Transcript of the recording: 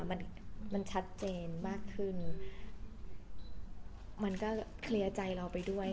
มันมันชัดเจนมากขึ้นมันก็เคลียร์ใจเราไปด้วย